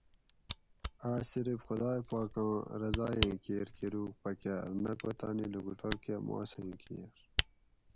آس صرف خدائ پاکاں رضایٔیں کیر کروگ پکاۤر نہ کو تانی لکوٹور کہ ماسیں کیر